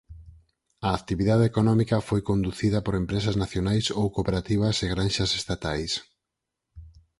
A actividade económica foi conducida por empresas nacionais ou cooperativas e granxas estatais.